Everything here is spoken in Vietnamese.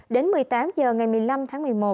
đến một mươi tám h ngày một mươi năm tháng một mươi một